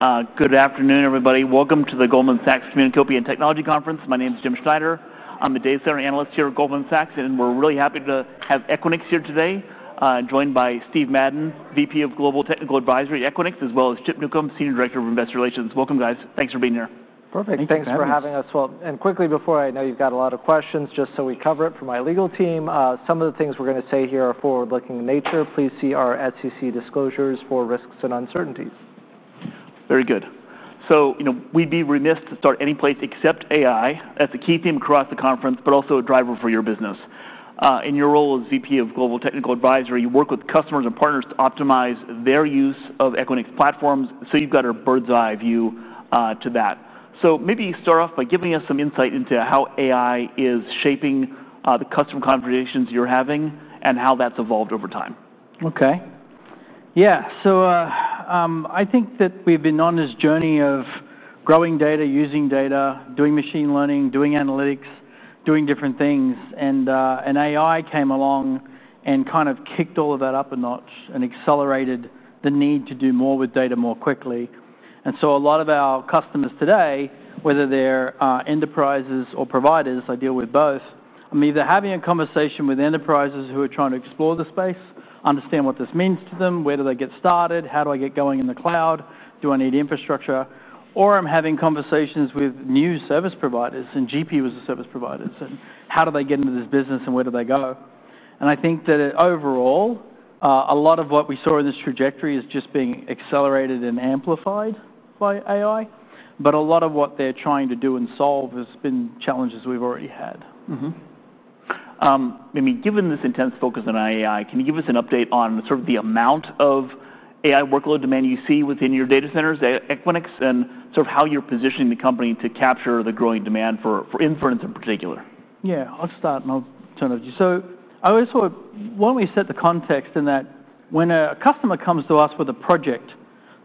Good afternoon, everybody. Welcome to the Goldman Sachs Communacopia and Technology Conference. My name is Jim Schneider. I'm the data center analyst here at Goldman Sachs, and we're really happy to have Equinix here today, joined by Steve Madden, VP of Global Technical Advisory at Equinix, as well as Chip Newcom, Senior Director of Investor Relations. Welcome, guys. Thanks for being here. Perfect. Thanks for having us. Quickly, before I know you've got a lot of questions, just so we cover it for my legal team, some of the things we're going to say here are forward-looking in nature. Please see our SEC disclosures for risks and uncertainties. Very good. We'd be remiss to start any place except AI as a key theme across the conference, but also a driver for your business. In your role as VP Global Technical Advisory, you work with customers and partners to optimize their use of Equinix platforms. You've got a bird's eye view to that. Maybe start off by giving us some insight into how AI is shaping the customer conversations you're having and how that's evolved over time. Okay. Yeah. I think that we've been on this journey of growing data, using data, doing machine learning, doing analytics, doing different things. AI came along and kind of kicked all of that up a notch and accelerated the need to do more with data more quickly. A lot of our customers today, whether they're enterprises or providers, I deal with both, I mean, they're having a conversation with enterprises who are trying to explore the space, understand what this means to them, where do they get started, how do I get going in the cloud, do I need infrastructure, or I'm having conversations with new service providers, and GP was a service provider, and how do they get into this business and where do they go? I think that overall, a lot of what we saw in this trajectory is just being accelerated and amplified by AI, but a lot of what they're trying to do and solve has been challenges we've already had. I mean, given this intense focus on AI, can you give us an update on sort of the amount of AI workload demand you see within your data centers at Equinix, and sort of how you're positioning the company to capture the growing demand for inference in particular? Yeah, I'll start and I'll turn it to you. I always thought, why don't we set the context in that when a customer comes to us with a project,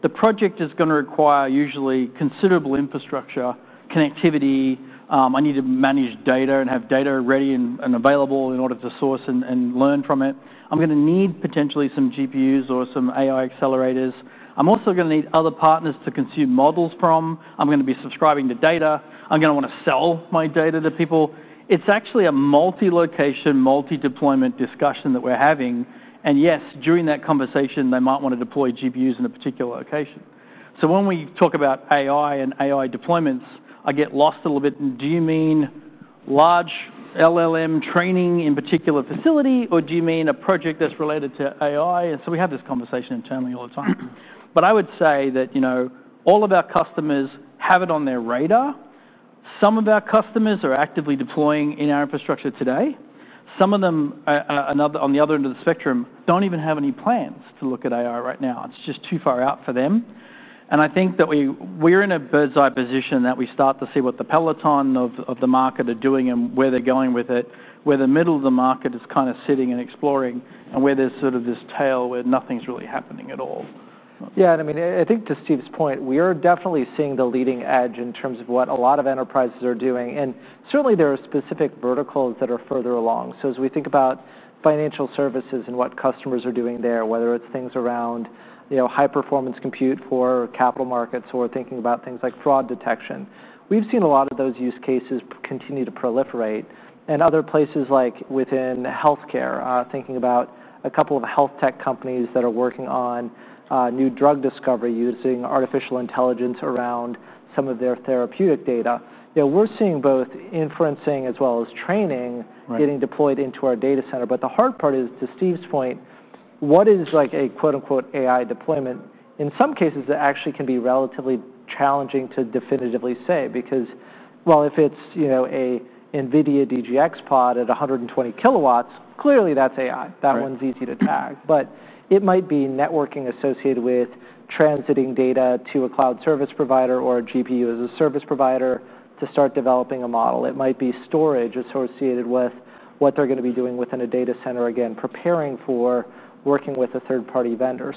the project is going to require usually considerable infrastructure, connectivity. I need to manage data and have data ready and available in order to source and learn from it. I'm going to need potentially some GPUs or some AI accelerators. I'm also going to need other partners to consume models from. I'm going to be subscribing to data. I'm going to want to sell my data to people. It's actually a multi-location, multi-deployment discussion that we're having. Yes, during that conversation, they might want to deploy GPUs in a particular location. When we talk about AI and AI deployments, I get lost a little bit. Do you mean large LLM training in a particular facility, or do you mean a project that's related to AI? We have this conversation internally all the time. I would say that all of our customers have it on their radar. Some of our customers are actively deploying in our infrastructure today. Some of them on the other end of the spectrum don't even have any plans to look at AI right now. It's just too far out for them. I think that we're in a bird's eye position that we start to see what the peloton of the market is doing and where they're going with it, where the middle of the market is kind of sitting and exploring, and where there's sort of this tail where nothing's really happening at all. Yeah. I think to Steve's point, we are definitely seeing the leading edge in terms of what a lot of enterprises are doing. There are specific verticals that are further along. As we think about financial services and what customers are doing there, whether it's things around high-performance compute for capital markets or thinking about things like fraud detection, we've seen a lot of those use cases continue to proliferate. In other places like within healthcare, thinking about a couple of health tech companies that are working on new drug discovery using artificial intelligence around some of their therapeutic data, we're seeing both inferencing as well as training getting deployed into our data center. The hard part is, to Steve's point, what is like a quote-unquote, "AI deployment?" In some cases, it actually can be relatively challenging to definitively say because, if it's an NVIDIA DGX POD at 120 kW, clearly that's AI. That one's easy to tag. It might be networking associated with transiting data to a cloud service provider or a GPU as a service provider to start developing a model. It might be storage associated with what they're going to be doing within a data center, again, preparing for working with a third-party vendor.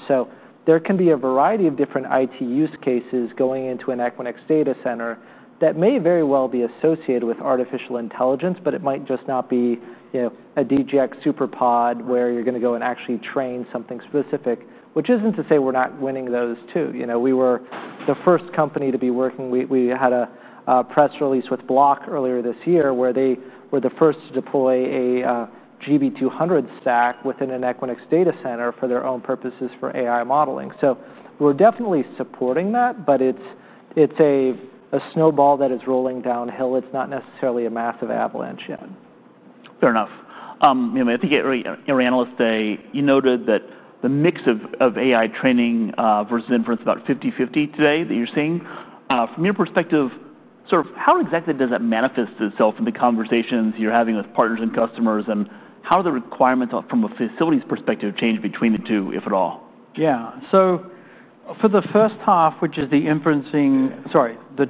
There can be a variety of different IT use cases going into an Equinix data center that may very well be associated with artificial intelligence, but it might just not be a DGX superPOD where you're going to go and actually train something specific, which isn't to say we're not winning those too. We were the first company to be working. We had a press release with Block earlier this year where they were the first to deploy a GB200 stack within an Equinix data center for their own purposes for AI modeling. We're definitely supporting that, but it's a snowball that is rolling downhill. It's not necessarily a massive avalanche yet. Fair enough. I think you're an analyst today. You noted that the mix of AI training versus inference is about 50/50 today that you're seeing. From your perspective, how exactly does it manifest itself in the conversations you're having with partners and customers? How do the requirements from a facility's perspective change between the two, if at all? Yeah. For the first half, which is the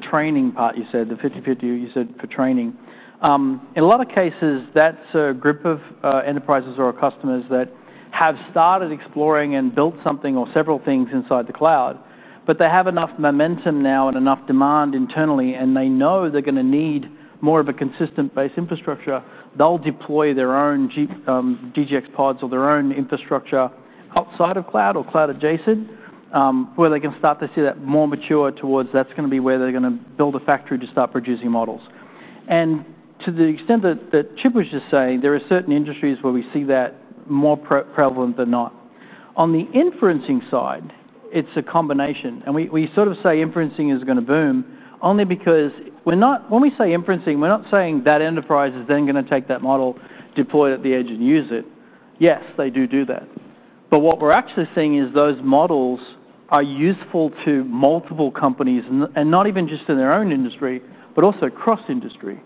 training part, you said the 50/50, you said for training. In a lot of cases, that's a group of enterprises or customers that have started exploring and built something or several things inside the cloud, but they have enough momentum now and enough demand internally, and they know they're going to need more of a consistent base infrastructure. They'll deploy their own DGX PODs or their own infrastructure outside of cloud or cloud adjacent, where they can start to see that more mature towards that's going to be where they're going to build a factory to start producing models. To the extent that Chip was just saying, there are certain industries where we see that more prevalent than not. On the inferencing side, it's a combination. We sort of say inferencing is going to boom only because when we say inferencing, we're not saying that enterprise is then going to take that model, deploy it at the edge, and use it. Yes, they do do that. What we're actually seeing is those models are useful to multiple companies and not even just in their own industry, but also cross-industry.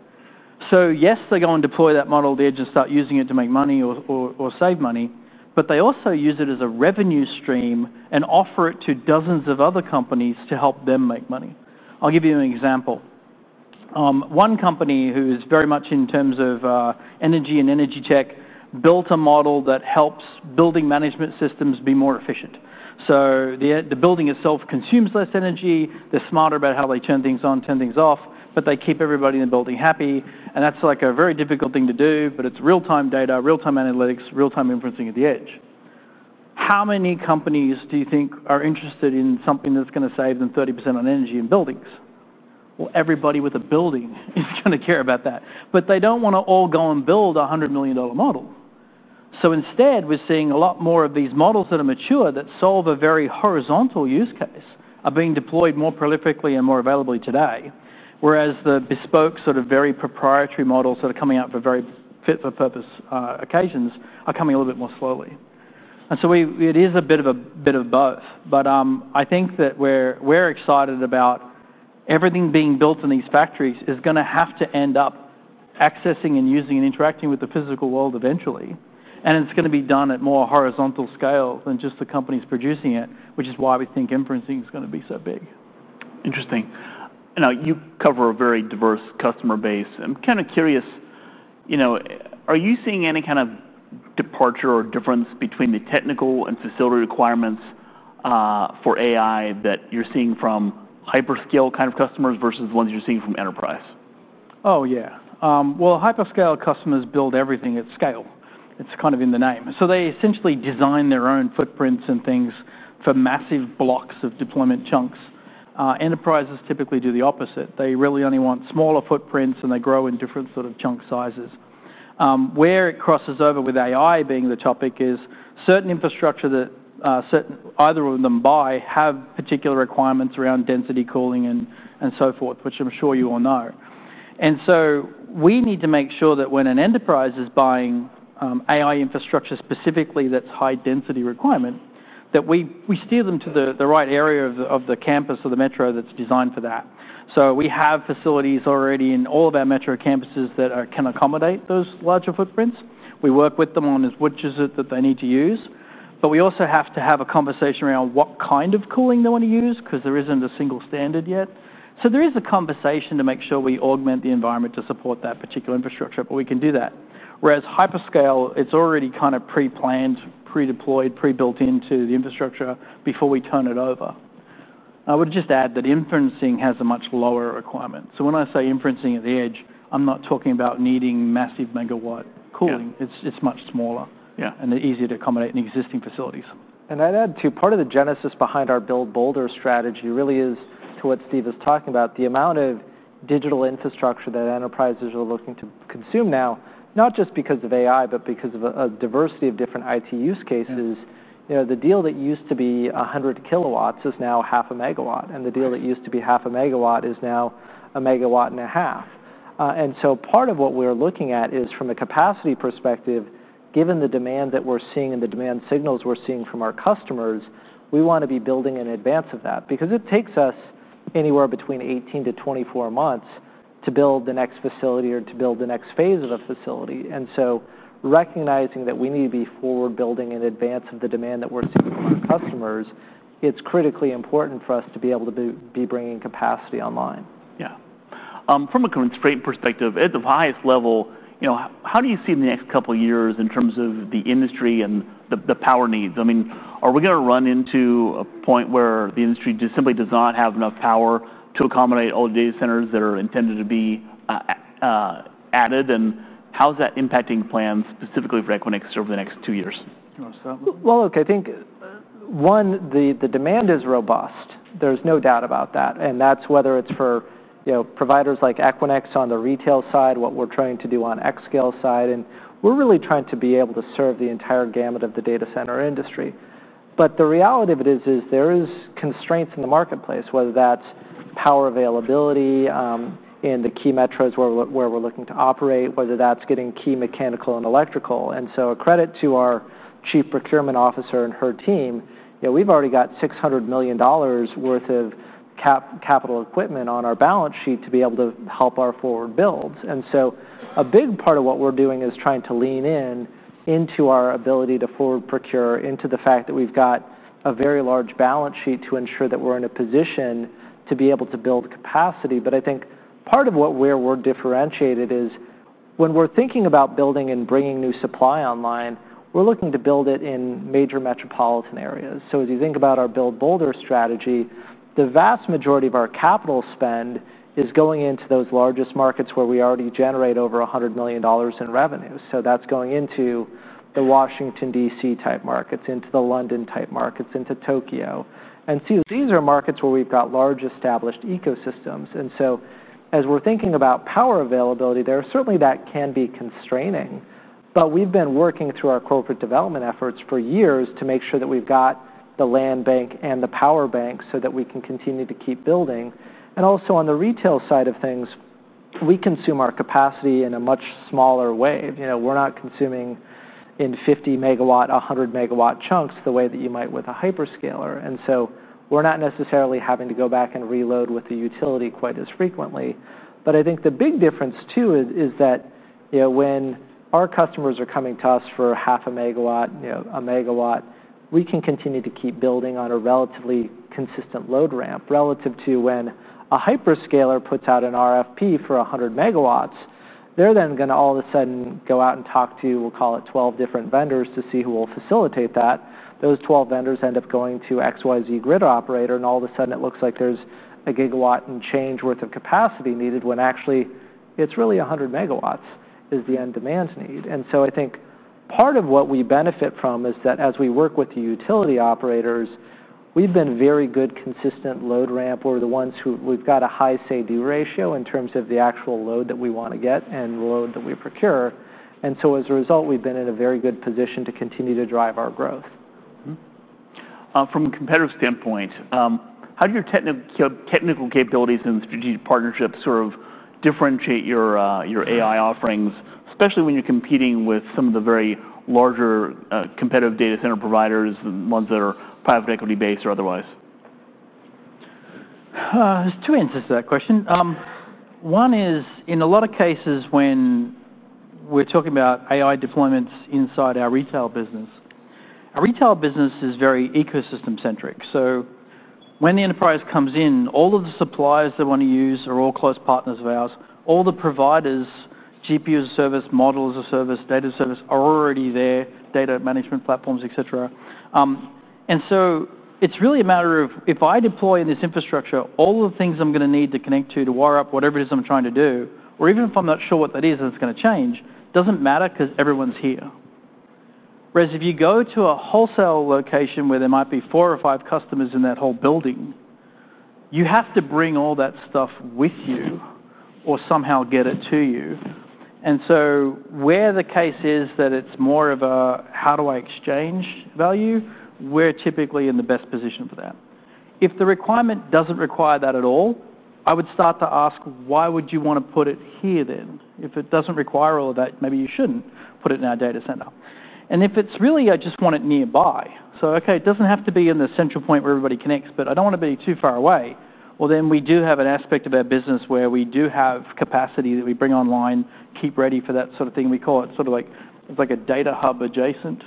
Yes, they go and deploy that model, they just start using it to make money or save money, but they also use it as a revenue stream and offer it to dozens of other companies to help them make money. I'll give you an example. One company who is very much in terms of energy and energy tech built a model that helps building management systems be more efficient. The building itself consumes less energy. They're smarter about how they turn things on, turn things off, but they keep everybody in the building happy. That's a very difficult thing to do, but it's real-time data, real-time analytics, real-time inferencing at the edge. How many companies do you think are interested in something that's going to save them 30% on energy in buildings? Everybody with a building is going to care about that. They don't want to all go and build a $100 million model. Instead, we're seeing a lot more of these models that are mature, that solve a very horizontal use case, are being deployed more prolifically and more availably today, whereas the bespoke, sort of very proprietary models that are coming out for very fit-for-purpose occasions are coming a little bit more slowly. It is a bit of both. I think that where we're excited about everything being built in these factories is going to have to end up accessing and using and interacting with the physical world eventually. It's going to be done at more horizontal scale than just the companies producing it, which is why we think inferencing is going to be so big. Interesting. You know, you cover a very diverse customer base. I'm kind of curious, you know, are you seeing any kind of departure or difference between the technical and facility requirements for AI that you're seeing from hyperscale kind of customers versus the ones you're seeing from enterprise? Oh, yeah. Hyperscale customers build everything at scale. It's kind of in the name. They essentially design their own footprints and things for massive blocks of deployment chunks. Enterprises typically do the opposite. They really only want smaller footprints, and they grow in different sort of chunk sizes. Where it crosses over with AI being the topic is certain infrastructure that either of them buy have particular requirements around density, cooling, and so forth, which I'm sure you all know. We need to make sure that when an enterprise is buying AI infrastructure specifically that's high-density requirement, that we steer them to the right area of the campus or the metro that's designed for that. We have facilities already in all of our metro campuses that can accommodate those larger footprints. We work with them on which is it that they need to use. We also have to have a conversation around what kind of cooling they want to use because there isn't a single standard yet. There is a conversation to make sure we augment the environment to support that particular infrastructure, but we can do that. Whereas hyperscale, it's already kind of pre-planned, pre-deployed, pre-built into the infrastructure before we turn it over. I would just add that inferencing has a much lower requirement. When I say inferencing at the edge, I'm not talking about needing massive megawatt cooling. It's much smaller and easier to accommodate in existing facilities. I'd add to part of the genesis behind our Build Bolder strategy really is to what Steve is talking about, the amount of digital infrastructure that enterprises are looking to consume now, not just because of AI, but because of a diversity of different IT use cases. The deal that used to be 100 kW is now 0.5 MW, and the deal that used to be 0.5 MW is now 1.5 MW. Part of what we're looking at is from a capacity perspective, given the demand that we're seeing and the demand signals we're seeing from our customers, we want to be building in advance of that because it takes us anywhere between 18- 24 months to build the next facility or to build the next phase of a facility. Recognizing that we need to be forward-building in advance of the demand that we're seeing with customers, it's critically important for us to be able to be bringing capacity online. From a constraint perspective, at the highest level, how do you see in the next couple of years in terms of the industry and the power needs? Are we going to run into a point where the industry just simply does not have enough power to accommodate all the data centers that are intended to be added? How is that impacting plans specifically for Equinix over the next two years? I think one, the demand is robust. There's no doubt about that. That's whether it's for providers like Equinix on the retail side, what we're trying to do on the xScale side. We're really trying to be able to serve the entire gamut of the data center industry. The reality of it is there are constraints in the marketplace, whether that's power availability in the key metros where we're looking to operate, whether that's getting key mechanical and electrical. A credit to our Chief Procurement Officer and her team, we've already got $600 million worth of capital equipment on our balance sheet to be able to help our forward builds. A big part of what we're doing is trying to lean in into our ability to forward procure, into the fact that we've got a very large balance sheet to ensure that we're in a position to be able to build capacity. I think part of where we're differentiated is when we're thinking about building and bringing new supply online, we're looking to build it in major metropolitan areas. As you think about our Build Bolder strategy, the vast majority of our capital spend is going into those largest markets where we already generate over $100 million in revenue. That's going into the Washington, D.C. type markets, into the London type markets, into Tokyo. These are markets where we've got large established ecosystems. As we're thinking about power availability there, certainly that can be constraining. We've been working through our corporate development efforts for years to make sure that we've got the land bank and the power bank so that we can continue to keep building. Also on the retail side of things, we consume our capacity in a much smaller way. We're not consuming in 50 MW, 100 MW chunks the way that you might with a hyperscaler. We're not necessarily having to go back and reload with the utility quite as frequently. I think the big difference too is that when our customers are coming to us for 0.5 MW, 1 MW, we can continue to keep building on a relatively consistent load ramp relative to when a hyperscaler puts out an RFP for 100 MW. They're then going to all of a sudden go out and talk to, we'll call it 12 different vendors to see who will facilitate that. Those 12 vendors end up going to XYZ grid operator, and all of a sudden it looks like there's a gigawatt and change worth of capacity needed when actually it's really 100 MW is the end demand need. I think part of what we benefit from is that as we work with the utility operators, we've been very good consistent load ramp. We're the ones who we've got a high SAD ratio in terms of the actual load that we want to get and the load that we procure. As a result, we've been in a very good position to continue to drive our growth. From a competitive standpoint, how do your technical capabilities and strategic partnerships sort of differentiate your AI offerings, especially when you're competing with some of the very larger competitive data center providers and ones that are private equity-based or otherwise? Two answers to that question. One is in a lot of cases when we're talking about AI deployments inside our retail business. Our retail business is very ecosystem-centric. When the enterprise comes in, all of the suppliers they want to use are all close partners of ours. All the providers, GPUs of service, models of service, data of service are already there, data management platforms, et cetera. It's really a matter of if I deploy in this infrastructure, all of the things I'm going to need to connect to, to wire up whatever it is I'm trying to do, or even if I'm not sure what that is, that's going to change, it doesn't matter because everyone's here. Whereas if you go to a wholesale location where there might be four or five customers in that whole building, you have to bring all that stuff with you or somehow get it to you. Where the case is that it's more of a how do I exchange value, we're typically in the best position for that. If the requirement doesn't require that at all, I would start to ask, why would you want to put it here then? If it doesn't require all of that, maybe you shouldn't put it in our data center. If it's really, I just want it nearby. It doesn't have to be in the central point where everybody connects, but I don't want to be too far away. We do have an aspect of our business where we do have capacity that we bring online, keep ready for that sort of thing. We call it sort of like a data hub adjacent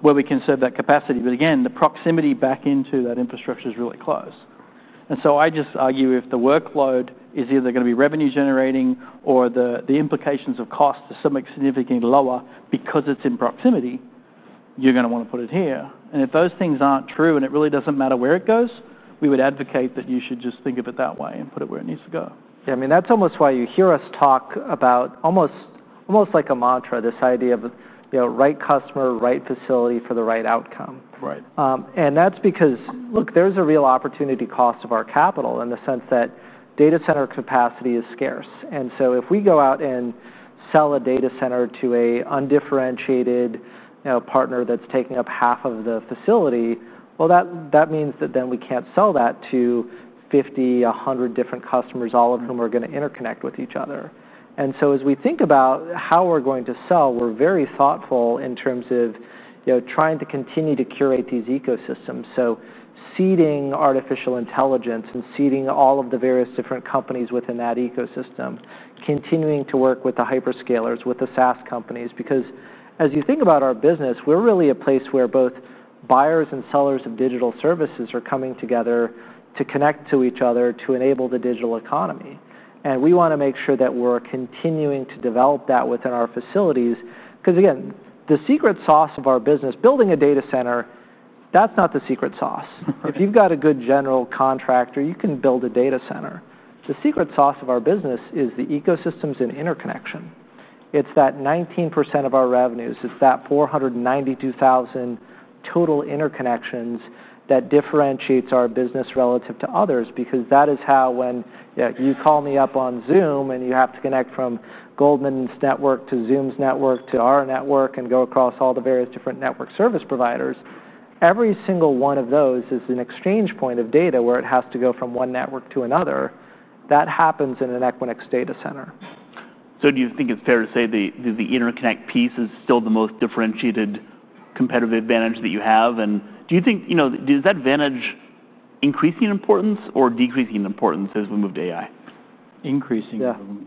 where we can serve that capacity. The proximity back into that infrastructure is really close. I just argue if the workload is either going to be revenue generating or the implications of cost is somewhat significantly lower because it's in proximity, you're going to want to put it here. If those things aren't true and it really doesn't matter where it goes, we would advocate that you should just think of it that way and put it where it needs to go. Yeah, I mean, that's almost why you hear us talk about, almost like a mantra, this idea of right customer, right facility for the right outcome. Right. There is a real opportunity cost of our capital in the sense that data center capacity is scarce. If we go out and sell a data center to an undifferentiated partner that's taking up half of the facility, that means we can't sell that to 50, 100 different customers, all of whom are going to interconnect with each other. As we think about how we're going to sell, we're very thoughtful in terms of trying to continue to curate these ecosystems. Seeding artificial intelligence and seeding all of the various different companies within that ecosystem, continuing to work with the hyperscalers, with the SaaS companies, because as you think about our business, we're really a place where both buyers and sellers of digital services are coming together to connect to each other to enable the digital economy. We want to make sure that we're continuing to develop that within our facilities because, again, the secret sauce of our business, building a data center, that's not the secret sauce. If you've got a good general contractor, you can build a data center. The secret sauce of our business is the ecosystems and interconnection. It's that 19% of our revenues. It's that 492,000 total interconnections that differentiates our business relative to others because that is how, when you call me up on Zoom and you have to connect from Goldman's network to Zoom's network to our network and go across all the various different network service providers, every single one of those is an exchange point of data where it has to go from one network to another. That happens in an Equinix data center. Do you think it's fair to say that the interconnect piece is still the most differentiated competitive advantage that you have? Do you think, you know, is that advantage increasing in importance or decreasing in importance as we move to AI? Increasing.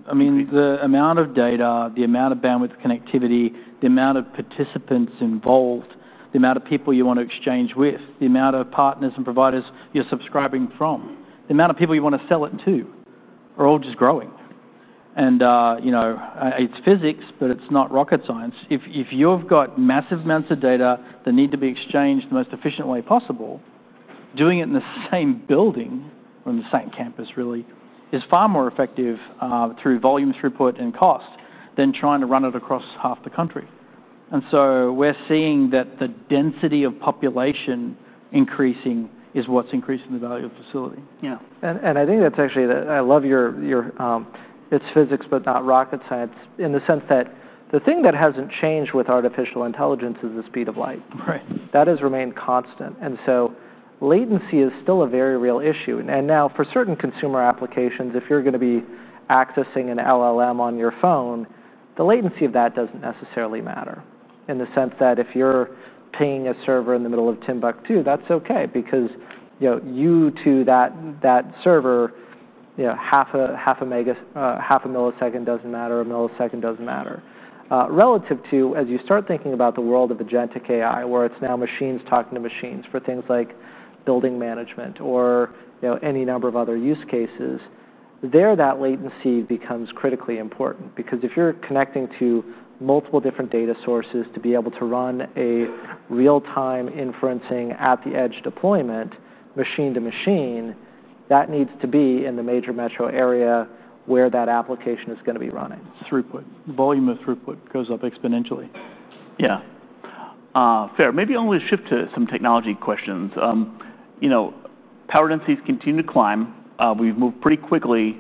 I mean, the amount of data, the amount of bandwidth connectivity, the amount of participants involved, the amount of people you want to exchange with, the amount of partners and providers you're subscribing from, the amount of people you want to sell it to are all just growing. It's physics, but it's not rocket science. If you've got massive amounts of data that need to be exchanged the most efficient way possible, doing it in the same building, on the same campus, really is far more effective through volumes, throughput, and cost than trying to run it across half the country. We're seeing that the density of population increasing is what's increasing the value of facility. Yeah, I think that's actually, I love your, it's physics, but not rocket science in the sense that the thing that hasn't changed with AI is the speed of light. That has remained constant. Latency is still a very real issue. Now, for certain consumer applications, if you're going to be accessing an LLM on your phone, the latency of that doesn't necessarily matter in the sense that if you're pinging a server in the middle of Timbuktu, that's okay because, you know, to that server, half a millisecond doesn't matter, a millisecond doesn't matter. Relative to, as you start thinking about the world of agentic AI, where it's now machines talking to machines for things like building management or any number of other use cases, there that latency becomes critically important because if you're connecting to multiple different data sources to be able to run real-time inferencing at the edge deployment, machine to machine, that needs to be in the major metro area where that application is going to be running. Throughput, the volume of throughput goes up exponentially. Yeah. Fair. Maybe I'll shift to some technology questions. You know, power densities continue to climb. We've moved pretty quickly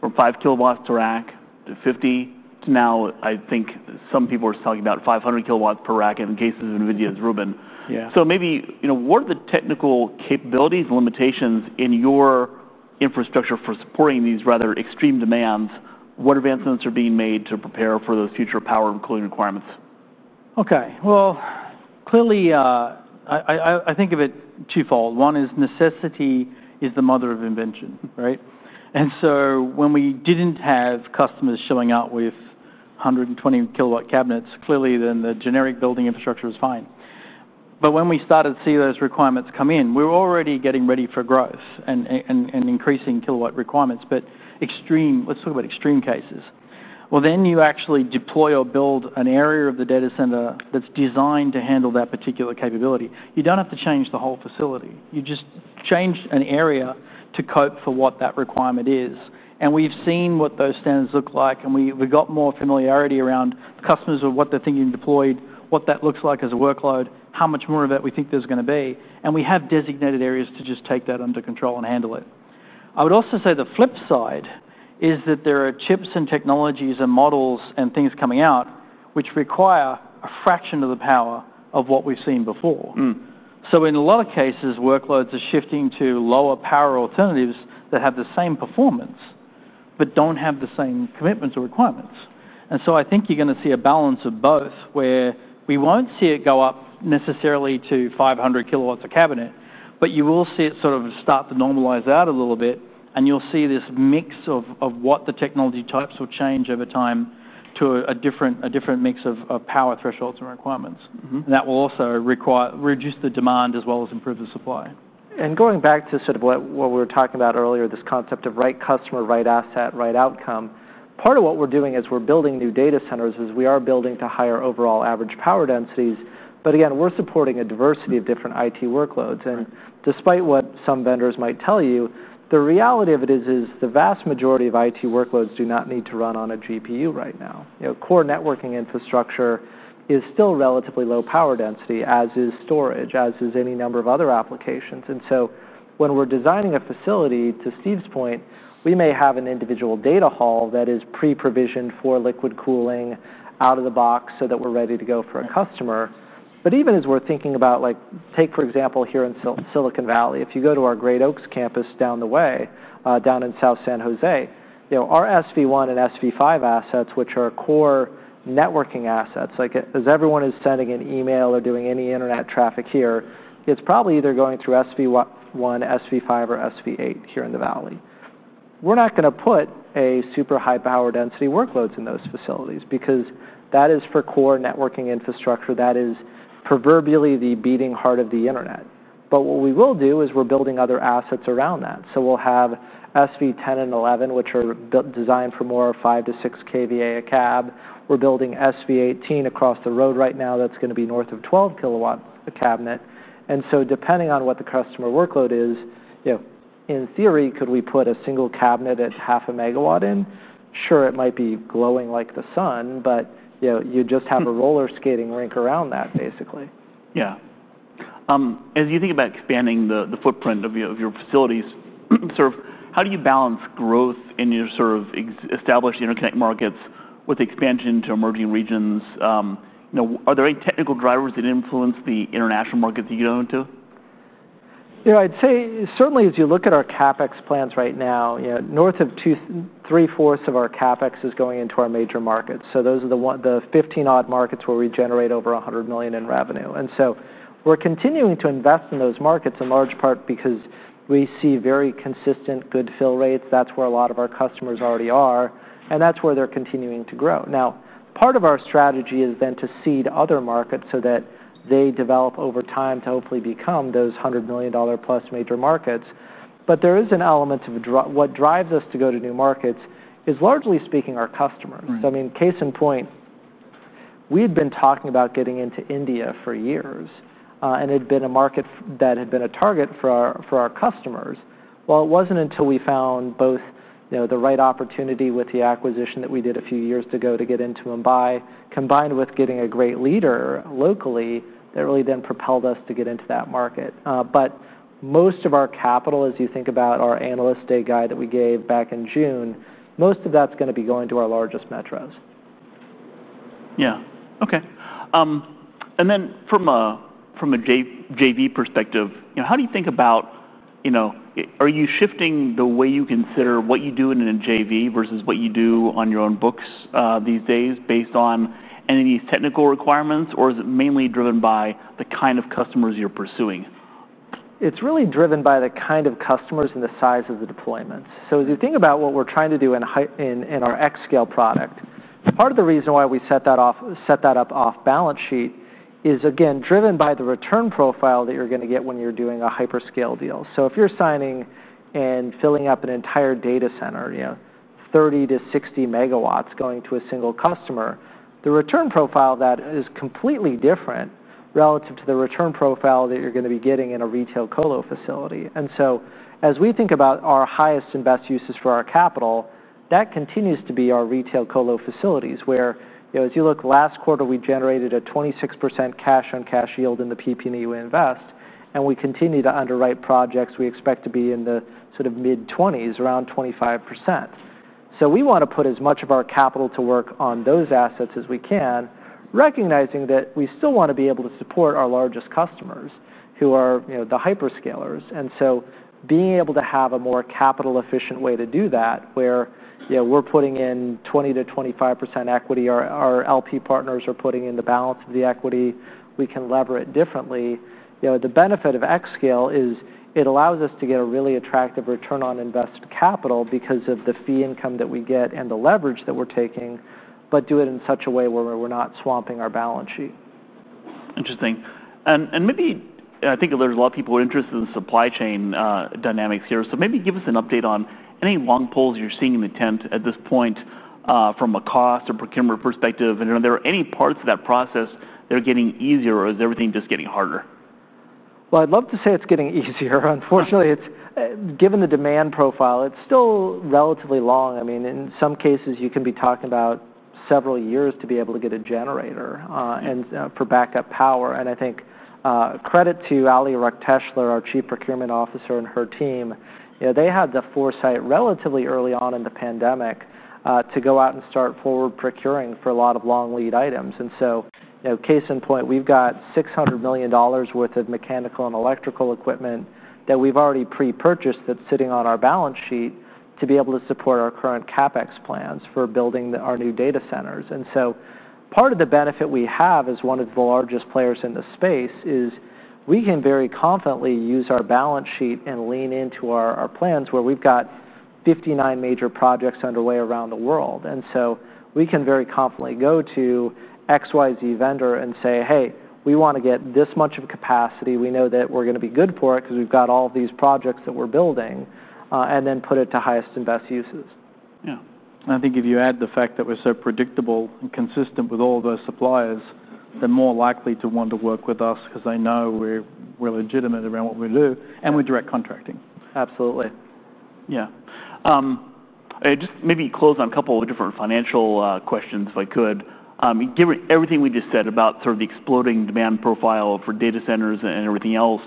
from 5 kW per rack to 50 kW. Now, I think some people are talking about 500 kW per rack in the cases of NVIDIA's Rubin. Yeah. What are the technical capabilities and limitations in your infrastructure for supporting these rather extreme demands? What advancements are being made to prepare for those future power and cooling requirements? Okay. Clearly, I think of it twofold. One is necessity is the mother of invention, right? When we didn't have customers showing up with 120 kW cabinets, clearly the generic building infrastructure was fine. When we started to see those requirements come in, we were already getting ready for growth and increasing kilowatt requirements. Let's talk about extreme cases. You actually deploy or build an area of the data center that's designed to handle that particular capability. You don't have to change the whole facility. You just change an area to cope for what that requirement is. We've seen what those standards look like, and we've got more familiarity around customers of what they're thinking deployed, what that looks like as a workload, how much more of that we think there's going to be. We have designated areas to just take that under control and handle it. I would also say the flip side is that there are chips and technologies and models and things coming out which require a fraction of the power of what we've seen before. In a lot of cases, workloads are shifting to lower power alternatives that have the same performance but don't have the same commitments or requirements. I think you're going to see a balance of both where we won't see it go up necessarily to 500 kW a cabinet, but you will see it sort of start to normalize out a little bit, and you'll see this mix of what the technology types will change over time to a different mix of power thresholds and requirements. That will also reduce the demand as well as improve the supply. Going back to what we were talking about earlier, this concept of right customer, right asset, right outcome, part of what we're doing as we're building new data centers is we are building to higher overall average power densities. Again, we're supporting a diversity of different IT workloads. Despite what some vendors might tell you, the reality of it is the vast majority of IT workloads do not need to run on a GPU right now. Core networking infrastructure is still relatively low power density, as is storage, as is any number of other applications. When we're designing a facility, to Steve's point, we may have an individual data hall that is pre-provisioned for liquid cooling out of the box so that we're ready to go for a customer. Even as we're thinking about, like, take for example here in Silicon Valley, if you go to our Great Oaks campus down the way, down in South San Jose, our SV1 and SV5 assets, which are core networking assets, like as everyone is sending an email or doing any internet traffic here, it's probably either going through SV1, SV5, or SV8 here in the Valley. We're not going to put super high power density workloads in those facilities because that is for core networking infrastructure. That is proverbially the beating heart of the internet. What we will do is we're building other assets around that. We'll have SV10 and 11, which are designed for more of 5 kVA- 6 kVA a cab. We're building SV18 across the road right now that's going to be north of 12 kW a cabinet. Depending on what the customer workload is, in theory, could we put a single cabinet at 0.5 MW in? Sure, it might be glowing like the sun, but you just have a roller skating rink around that, basically. Yeah. As you think about expanding the footprint of your facilities, how do you balance growth in your established interconnection markets with expansion to emerging regions? Are there any technical drivers that influence the international markets that you go into? I'd say certainly as you look at our CapEx plans right now, north of two-thirds of our CapEx is going into our major markets. Those are the 15-odd markets where we generate over $100 million in revenue. We're continuing to invest in those markets in large part because we see very consistent good fill rates. That's where a lot of our customers already are, and that's where they're continuing to grow. Part of our strategy is then to seed other markets so that they develop over time to hopefully become those $100 million plus major markets. There is an element of what drives us to go to new markets that is largely speaking our customers. Case in point, we had been talking about getting into India for years, and it had been a market that had been a target for our customers. It wasn't until we found both the right opportunity with the acquisition that we did a few years ago to get into Mumbai, combined with getting a great leader locally, that really then propelled us to get into that market. Most of our capital, as you think about our analyst day guide that we gave back in June, is going to be going to our largest metros. Okay. From a JV perspective, how do you think about, you know, are you shifting the way you consider what you do in a JV versus what you do on your own books these days based on any of these technical requirements, or is it mainly driven by the kind of customers you're pursuing? It's really driven by the kind of customers and the size of the deployments. As you think about what we're trying to do in our xScale product, part of the reason why we set that off balance sheet is, again, driven by the return profile that you're going to get when you're doing a hyperscale deal. If you're signing and filling up an entire data center, 30 MW- 60 MW going to a single customer, the return profile of that is completely different relative to the return profile that you're going to be getting in a retail colocation facility. As we think about our highest and best uses for our capital, that continues to be our retail colocation facilities where, as you look, last quarter we generated a 26% cash-on-cash yield in the PP&E we invest, and we continue to underwrite projects we expect to be in the sort of mid-20s, around 25%. We want to put as much of our capital to work on those assets as we can, recognizing that we still want to be able to support our largest customers who are the hyperscalers. Being able to have a more capital-efficient way to do that where we're putting in 20%- 25% equity, our LP partners are putting in the balance of the equity, we can lever it differently. The benefit of xScale is it allows us to get a really attractive return on invested capital because of the fee income that we get and the leverage that we're taking, but do it in such a way where we're not swamping our balance sheet. Interesting. I think there's a lot of people who are interested in the supply chain dynamics here. Maybe give us an update on any long poles you're seeing in the tent at this point from a cost or procurement perspective. Are there any parts of that process that are getting easier, or is everything just getting harder? I'd love to say it's getting easier. Unfortunately, given the demand profile, it's still relatively long. In some cases, you can be talking about several years to be able to get a generator and for backup power. I think credit to Ali Ruckteschler, our Chief Procurement Officer, and her team, they had the foresight relatively early on in the pandemic to go out and start forward-procuring for a lot of long lead items. Case in point, we've got $600 million worth of mechanical and electrical equipment that we've already pre-purchased that's sitting on our balance sheet to be able to support our current CapEx plans for building our new data centers. Part of the benefit we have as one of the largest players in the space is we can very confidently use our balance sheet and lean into our plans where we've got 59 major projects underway around the world. We can very confidently go to XYZ vendor and say, "Hey, we want to get this much of a capacity. We know that we're going to be good for it because we've got all of these projects that we're building," and then put it to highest and best uses. I think if you add the fact that we're so predictable and consistent with all of our suppliers, they're more likely to want to work with us because they know we're legitimate around what we do, and we're direct contracting. Absolutely. Yeah. Just maybe close on a couple of different financial questions if I could. Given everything we just said about sort of the exploding demand profile for data centers and everything else,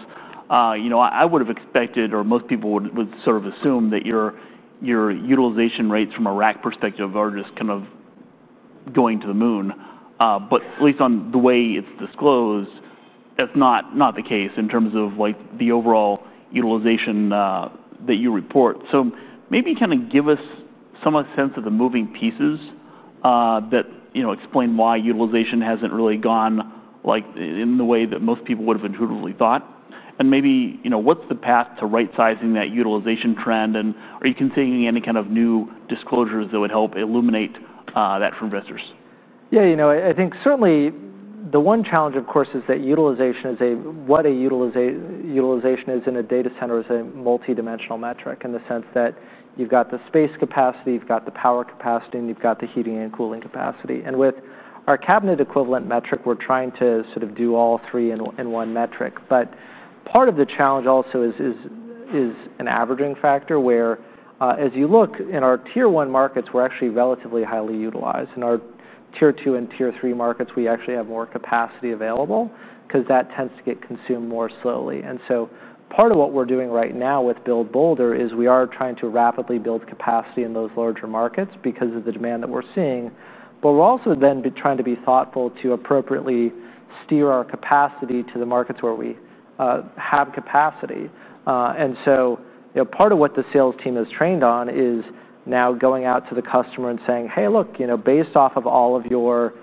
you know, I would have expected or most people would sort of assume that your utilization rates from a rack perspective are just kind of going to the moon. At least on the way it's disclosed, that's not the case in terms of like the overall utilization that you report. Maybe kind of give us somewhat a sense of the moving pieces that explain why utilization hasn't really gone like in the way that most people would have intuitively thought. Maybe, you know, what's the path to right-sizing that utilization trend? Are you considering any kind of new disclosures that would help illuminate that for investors? Yeah, you know, I think certainly the one challenge, of course, is that utilization is a, what utilization is in a data center is a multi-dimensional metric in the sense that you've got the space capacity, you've got the power capacity, and you've got the heating and cooling capacity. With our cabinet equivalent metric, we're trying to sort of do all three in one metric. Part of the challenge also is an averaging factor where, as you look in our Tier 1 markets, we're actually relatively highly utilized. In our Tier 2 and Tier 3 markets, we actually have more capacity available because that tends to get consumed more slowly. Part of what we're doing right now with Build Bolder strategy is we are trying to rapidly build capacity in those larger markets because of the demand that we're seeing. We're also then trying to be thoughtful to appropriately steer our capacity to the markets where we have capacity. Part of what the sales team is trained on is now going out to the customer and saying, "Hey, look, you know, based off of all of your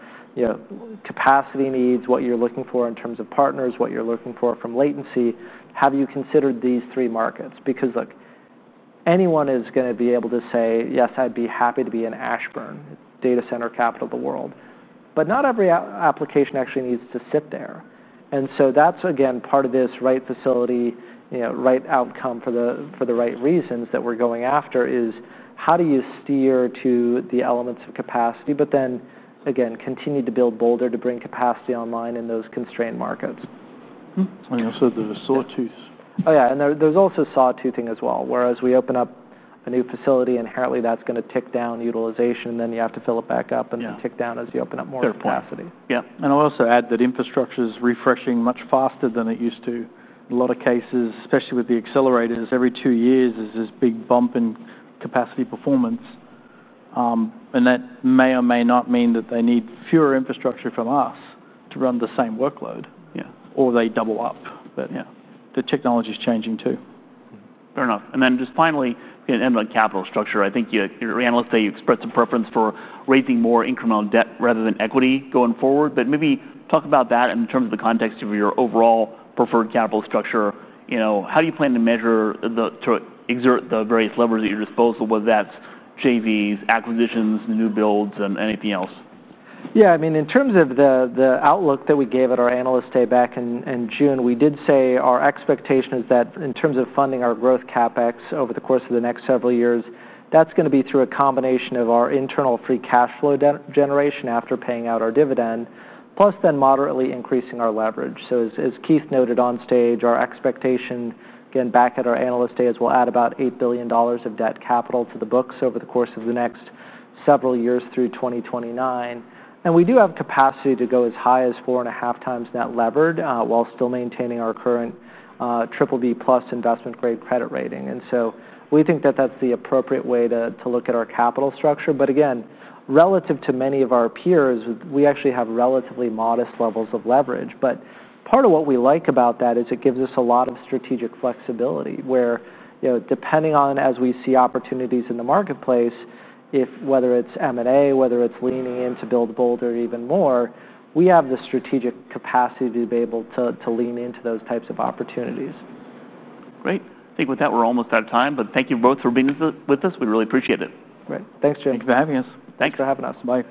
capacity needs, what you're looking for in terms of partners, what you're looking for from latency, have you considered these three markets?" Look, anyone is going to be able to say, "Yes, I'd be happy to be in Ashburn, data center capital of the world." Not every application actually needs to sit there. That's, again, part of this right facility, right outcome for the right reasons that we're going after is how do you steer to the elements of capacity, but then again, continue to Build Bolder to bring capacity online in those constrained markets. I mean, also the sawtooth. Oh, yeah. There's also sawtoothing as well. As we open up a new facility, inherently that's going to tick down utilization, and then you have to fill it back up and tick down as you open up more capacity. Yeah. I'll also add that infrastructure is refreshing much faster than it used to. In a lot of cases, especially with the accelerators, every two years is this big bump in capacity performance. That may or may not mean that they need fewer infrastructure from us to run the same workload. Yeah. They double up. Yeah, the technology is changing too. Fair enough. Finally, in the capital structure, I think your analysts say you've expressed some preference for raising more incremental debt rather than equity going forward. Maybe talk about that in terms of the context of your overall preferred capital structure. How do you plan to measure or exert the various levers at your disposal, whether that's JV, acquisitions, new builds, and anything else? Yeah, I mean, in terms of the outlook that we gave at our Analyst Day back in June, we did say our expectation is that in terms of funding our growth CapEx over the course of the next several years, that's going to be through a combination of our internal free cash flow generation after paying out our dividend, plus then moderately increasing our leverage. As Keith noted on stage, our expectation, again, back at our Analyst Day, is we'll add about $8 billion of debt capital to the books over the course of the next several years through 2029. We do have capacity to go as high as 4.5x net levered while still maintaining our current BBB+ investment-grade credit rating. We think that that's the appropriate way to look at our capital structure. Again, relative to many of our peers, we actually have relatively modest levels of leverage. Part of what we like about that is it gives us a lot of strategic flexibility where, depending on as we see opportunities in the marketplace, if whether it's M&A, whether it's leaning into Build Bolder even more, we have the strategic capacity to be able to lean into those types of opportunities. Great. I think with that, we're almost out of time, but thank you both for being with us. We really appreciate it. Great. Thanks, Jim. Thanks for having us. Thanks for having us. Bye-bye.